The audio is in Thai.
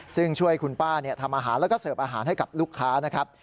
ซึ่งช่วยคุณป้าทำอาหารแล้วก็เสิร์ฟอาหารให้กับลูกค้านะครับ